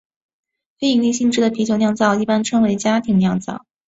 非营利性质的啤酒酿造一般称为家庭酿造。